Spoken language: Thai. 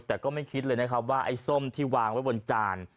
แต่ก็ไม่คิดเลยนะครับว่าไอ้ส้มที่วางไว้บนจาน